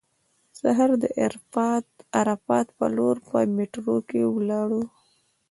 سهار د عرفات په لور په میټرو کې ولاړو.